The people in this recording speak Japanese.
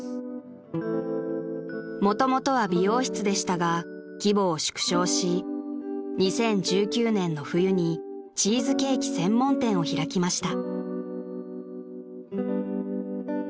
［もともとは美容室でしたが規模を縮小し２０１９年の冬にチーズケーキ専門店を開きました］